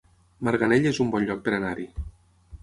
Marganell es un bon lloc per anar-hi